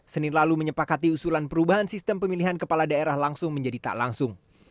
senin lalu menyepakati usulan perubahan sistem pemilihan kepala daerah langsung menjadi tak langsung